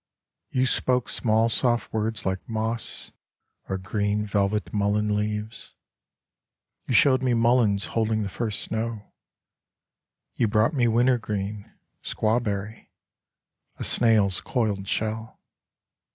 You spoke small soft words like moss Or green velvet mullein leaves. You showed me mulleins holding the first snow : You brought me wintergreen ... squaw berry ... A snail's coiled shell